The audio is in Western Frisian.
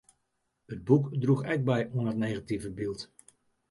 It boek droech ek by oan dat negative byld.